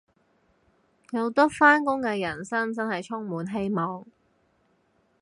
有得返工嘅人生真係充滿希望